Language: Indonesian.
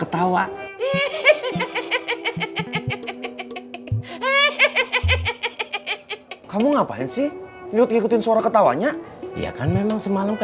tukuk tukuk tukuk